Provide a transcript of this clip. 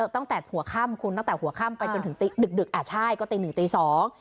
ตั้งแต่หัวค่ำคุณตั้งแต่หัวค่ำไปจนถึงตีดึกดึกอ่าใช่ก็ตีหนึ่งตีสอง